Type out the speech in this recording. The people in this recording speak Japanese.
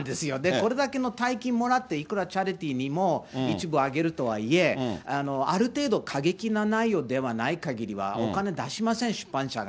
これだけの大金もらって、いくらチャリティーにも一部あげるとはいえ、ある程度、過激な内容ではないかぎりはお金出しません、出版社が。